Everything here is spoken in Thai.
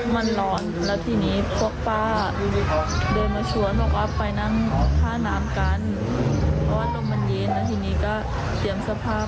มันหล่อนแล้วทีนี้พวกป้าเดินมาชวนลงอัพไปนั่งผ้าน้ำกัน